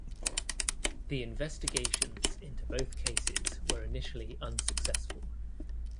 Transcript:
The investigations into both cases were initially unsuccessful.